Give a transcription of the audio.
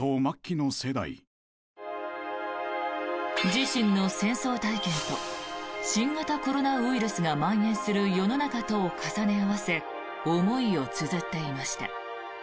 自身の戦争体験と新型コロナウイルスがまん延する世の中とを重ね合わせ思いをつづっていました。